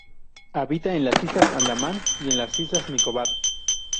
Habita en las Islas Andamán y las Islas Nicobar.